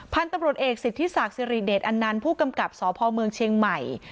พันธุ์ตำรวจเอกสิทธิศักดิ์สิริเดชอันนันต์ผู้กำกับสพเมืองเชียงใหม่